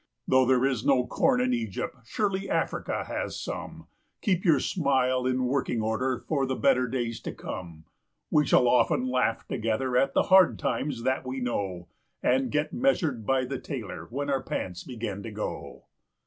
Though there is no corn in Egypt, surely Africa has some Keep your smile in working order for the better days to come ! We shall often laugh together at the hard times that we know, And get measured by the tailor when our pants begin to go.